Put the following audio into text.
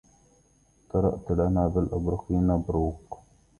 تراءت لنا بالأبرقين بروق